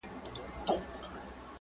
يوه برخه چوپه بله غوسه تل,